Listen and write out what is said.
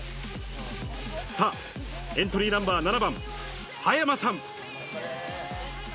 さあ、エントリーナンバー７番、葉山さん。